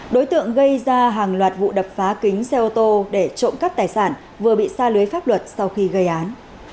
đối tượng gây ra hàng loạt vụ đập phá kính xe ô tô để trộm cắp tài sản vừa bị xa lưới pháp luật sau khi gây án